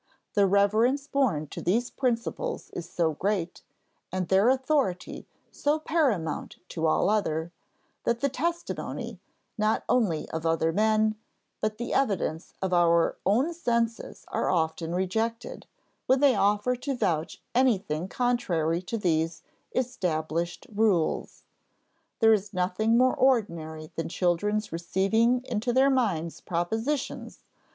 The reverence borne to these principles is so great, and their authority so paramount to all other, that the testimony, not only of other men, but the evidence of our own senses are often rejected, when they offer to vouch anything contrary to these established rules.... There is nothing more ordinary than children's receiving into their minds propositions